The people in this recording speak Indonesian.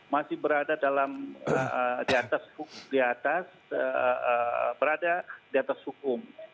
masih berada di atas hukum